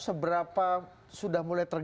seberapa sudah mulai terjadi